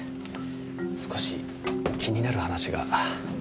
少し気になる話が。